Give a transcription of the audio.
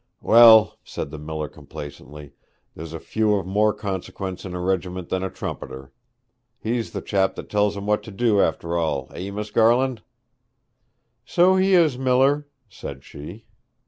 'Well,' said the miller complacently, 'there's few of more consequence in a regiment than a trumpeter. He's the chap that tells 'em what to do, after all. Hey, Mrs. Garland?' 'So he is, miller,' said she.